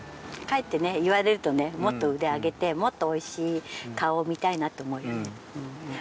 かえってね言われるとねもっと腕上げてもっとおいしい顔を見たいなと思うよね。